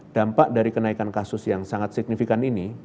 dampak dari kenaikan kasus yang sangat signifikan ini